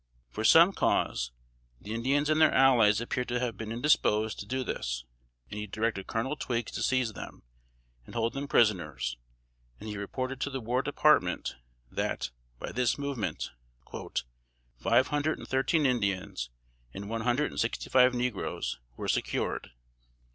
For some cause, the Indians and their allies appear to have been indisposed to do this, and he directed Colonel Twiggs to seize them, and hold them prisoners; and he reported to the War Department that, by this movement, "five hundred and thirteen Indians, and one hundred and sixty five negroes, were secured."